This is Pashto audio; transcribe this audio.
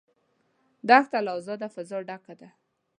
دښته له آزاده فضا ډکه ده.